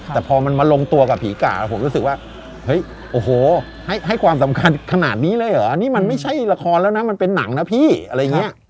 แต่พอมาลงตัวกับผีก่าผมรู้สึกว่าโอ้โหให้ความสำคัญขนาดนี้เลยเหรอนี่ไม่ใช่ละครแล้วนะเป็นหนังหน่ะพี่